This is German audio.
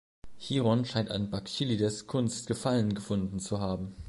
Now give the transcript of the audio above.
Hieron scheint an Bakchylides' Kunst Gefallen gefunden zu haben.